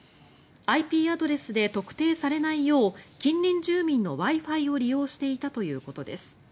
ＩＰアドレスで特定されないよう近隣住民のＷｉ−Ｆｉを利用していたということです。